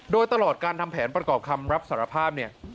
โดยตลอดการทำแผนประกอบคำรับสารภาพเนี่ย